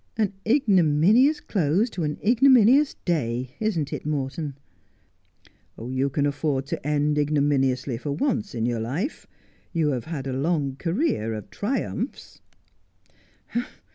An ignominious close to an ignominious day, isn't it, Morton ?'' You can afford to end ignominiously for once in your life. You havo had a long career of triumphs.'